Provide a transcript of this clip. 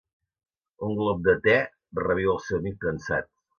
Un glop de te reviu al seu amic cansat.